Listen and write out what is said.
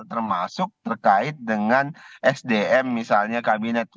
termasuk terkait dengan sdm misalnya kabinet